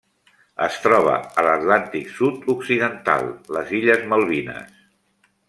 Es troba a l'Atlàntic sud-occidental: les illes Malvines.